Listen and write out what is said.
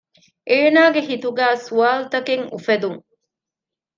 އޭނަގެ ހިތުގައި ސްވާލުތަކެއް އުފެދުން